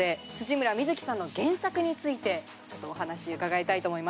村深月さんの原作についてお話伺いたいと思います。